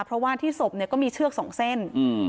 เพราะว่าที่ศพเนี่ยก็มีเชือกสองเส้น